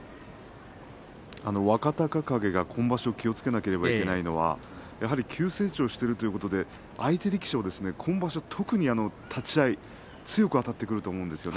若隆景は今場所気をつけなければいけないのは急成長しているということで相手力士の今場所特に立ち合い強くあたってくると思うんですよ。